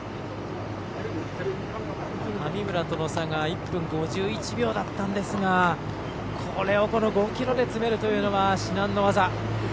神村との差が１分５１秒だったんですがこれを５ｋｍで詰めるというのは至難の業。